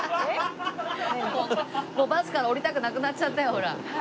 もうバスから降りたくなくなっちゃったよほら。